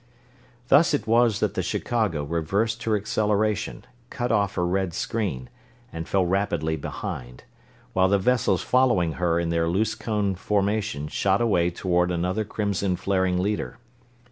Thus it was that the Chicago reversed her acceleration, cut off her red screen, and fell rapidly behind, while the vessels following her in their loose cone formation shot away toward another crimson flaring leader.